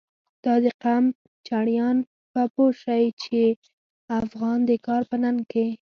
دا د قم چړیان به پوه شی، چی افغان د کار په ننگ کی